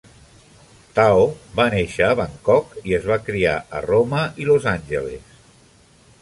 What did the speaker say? Tao va néixer a Bangkok i es va criar a Roma i Los Angeles.